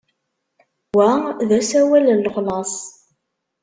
Wa d asawal n lexlaṣ.